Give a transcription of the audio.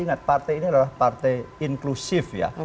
ingat partai ini adalah partai inklusif ya